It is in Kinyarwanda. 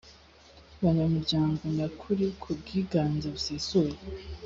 banyamuryango nyakuri ku bwiganze busesuye